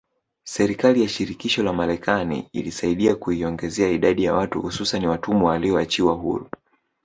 Serikali ya shirikisho la marekani ilisaidia kuiongezea idadi ya watu hususani watumwa walioachiwa huru